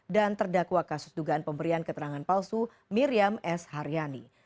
dan terdakwa kasus dugaan pemberian keterangan palsu miriam s haryani